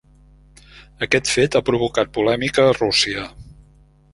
Aquest fet ha provocat polèmica a Rússia.